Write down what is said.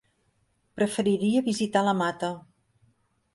Preferiria visitar la Mata.